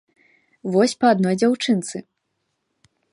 Вось па адной дзяўчынцы.